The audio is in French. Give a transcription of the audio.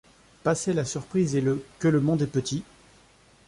Passée la surprise et le « que le monde est petit !